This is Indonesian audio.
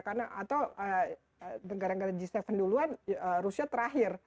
atau negara negara g tujuh duluan rusia terakhir